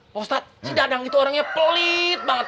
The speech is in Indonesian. pak ustadz si dadang itu orangnya pelit banget